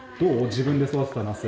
自分で育てたナス。